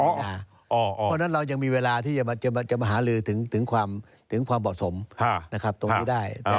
เพราะฉะนั้นเรายังมีเวลาที่จะมาหาลือถึงความเหมาะสมตรงนี้ได้